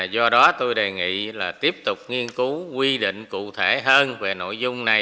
do đó tôi đề nghị là tiếp tục nghiên cứu quy định cụ thể hơn về nội dung này